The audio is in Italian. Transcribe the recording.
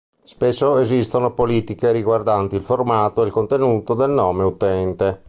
Spesso esistono politiche riguardanti il formato e il contenuto del nome utente.